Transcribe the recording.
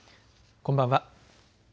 こんばんは。